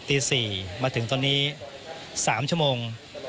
ตี๔มาถึงตอนนี้๓ชั่วโมง